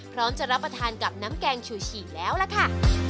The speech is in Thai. พร้อมจะรับประทานกับน้ำแกงชูฉี่แล้วล่ะค่ะ